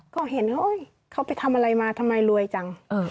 ก็เห็นเฮ้ยเขาไปทำอะไรมาทำไมรวยจัง